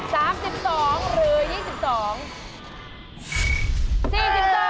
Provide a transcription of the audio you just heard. ๓๒หรือ๒๒